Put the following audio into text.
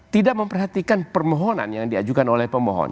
tidak memperhatikan permohonan yang diajukan oleh pemohon